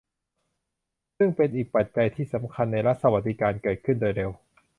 จึงเป็นอีกปัจจัยที่สำคัญให้รัฐสวัสดิการเกิดขึ้นโดยเร็ว